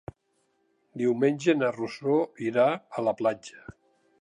Diumenge na Rosó irà a la platja.